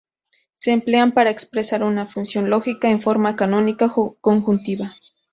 Se emplean para expresar una función lógica en forma canónica conjuntiva.